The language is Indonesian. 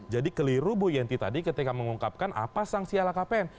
jadi keliru bu yenty tadi ketika mengungkapkan apa sanksi lhkpn